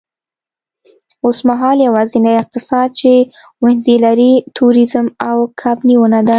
اوسمهال یوازینی اقتصاد چې وینز یې لري، تورېزم او کب نیونه ده